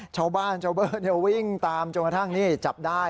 ชาวบ้านชาวเบอร์วิ่งตามจนกระทั่งนี่จับได้